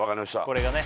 これがね